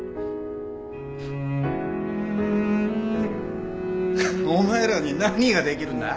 ハッお前らに何ができるんだ？